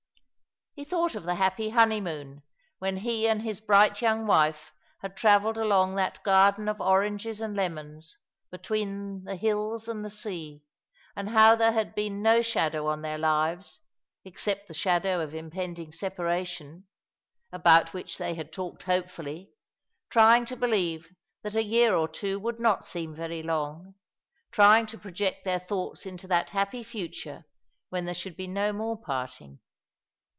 lie thought of the happy honeymoon, when he and his bright young wife had travelled along that garden of oranges and lemons, between the hills and the sea, and how there had bucn no shadow on their lives except the shadow of impend ing separation, about which they had talked hopefully, trying to believe that a year or two would not seem very long, trying to project their thoughts into that happy future when there should be no more parting.